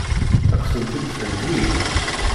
Ad k-tent-id-theggi?